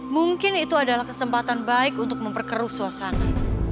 mungkin itu adalah kesempatan baik untuk memperkeruh suasana